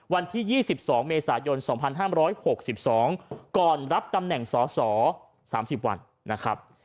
วันที่๒๒เมษายน๒๕๖๒ก่อนรับตำแหน่งสอสอ๓๐วันนะครับ